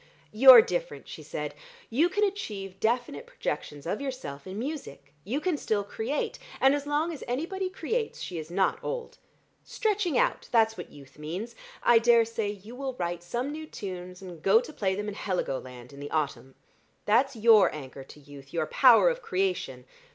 "You're different," she said; "you can achieve definite projections of yourself in music; you can still create, and as long as anybody creates she is not old. Stretching out: that's what youth means. I daresay you will write some new tunes and go to play them in Heligoland in the autumn. That's your anchor to youth, your power of creation.